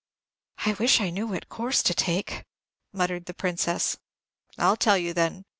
"I wish I knew what course to take," muttered the Princess. "I'll tell you, then.